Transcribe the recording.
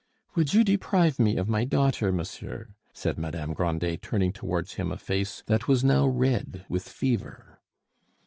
"Would you deprive me of my daughter, monsieur?" said Madame Grandet, turning towards him a face that was now red with fever.